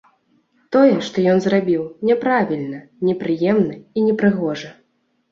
Тое, што ён зрабіў, няправільна, непрыемна і непрыгожа.